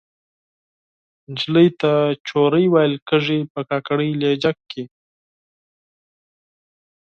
نجلۍ ته چورۍ ویل کیږي په کاکړۍ لهجه کښې